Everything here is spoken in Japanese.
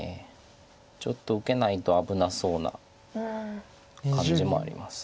ちょっと受けないと危なそうな感じもあります。